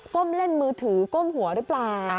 เล่นมือถือก้มหัวหรือเปล่า